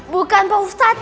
bukan pak ustadz